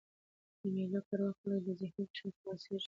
د مېلو پر وخت خلک له ذهني فشار څخه خلاصيږي.